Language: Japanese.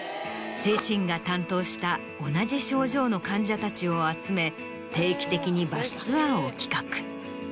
自身が担当した同じ症状の患者たちを集め定期的にバスツアーを企画。